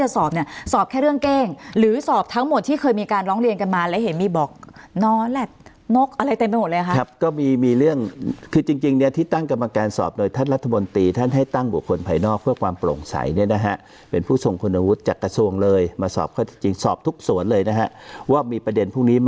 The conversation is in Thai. สอบเนี่ยสอบแค่เรื่องเก้งหรือสอบทั้งหมดที่เคยมีการร้องเรียนกันมาแล้วเห็นมีบอกนอนแหละนกอะไรเต็มไปหมดเลยครับก็มีมีเรื่องคือจริงเนี่ยที่ตั้งกรรมการสอบโดยท่านรัฐมนตรีท่านให้ตั้งบุคคลภายนอกเพื่อความโปร่งใสเนี่ยนะฮะเป็นผู้ทรงคุณวุฒิจากกระทรวงเลยมาสอบข้อที่จริงสอบทุกส่วนเลยนะฮะว่ามีประเด็นพวกนี้มา